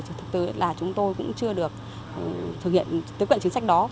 thì thực tế là chúng tôi cũng chưa được thực hiện tiếp cận chính sách đó